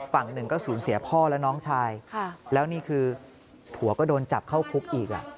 ฝั่งหนึ่งก็สูญเสียพ่อและน้องชายแล้วนี่คือผัวก็โดนจับเข้าคุกอีก